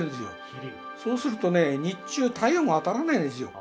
そうするとね日中太陽が当たらないんですよ。